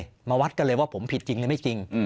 มาวัดกันเลยว่าผมผิดจริงหรือไม่จริง